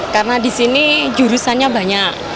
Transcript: karena di sini jurusannya banyak